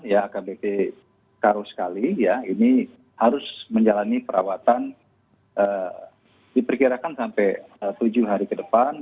ya akbp karuskali ya ini harus menjalani perawatan diperkirakan sampai tujuh hari ke depan